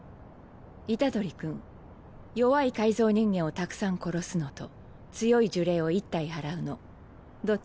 虎杖君弱い改造人間をたくさん殺すのと強い呪霊を１体祓うのどっちがいい？